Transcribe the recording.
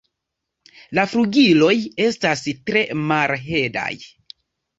La flugiloj estas tre malhelaj.